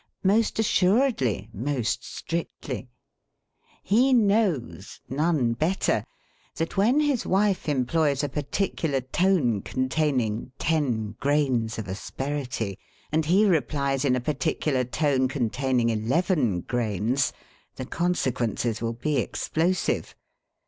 Most assuredly, most strictly. He knows none better that when his wife employs a particular tone containing ten grains of asperity, and he replies in a particular tone containing eleven grains, the consequences will be explosive.